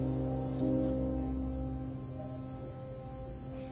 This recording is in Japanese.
うん。